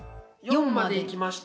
４までいきました。